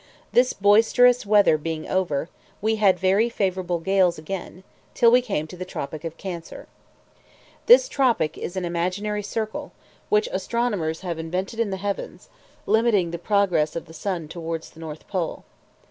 This boisterous weather being over, we had very favourable gales again, till we came to the tropic of Cancer. This tropic is an imaginary circle, which astronomers have invented in the heavens, limiting the progress of the sun towards the north pole.